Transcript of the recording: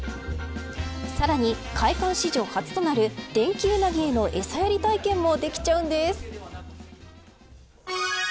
さらに、開館史上初となる電気ウナギへの餌やり体験もできちゃうんです。